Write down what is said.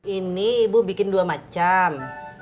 ini ibu bikin dua macam